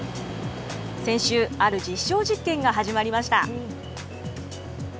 先週、ある実証実験が始まりました。